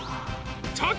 チョキ！